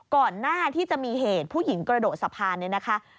ก่อนหน้าที่จะมีเหตุผู้หญิงกระโดดสะพานเนี่ยนะคะ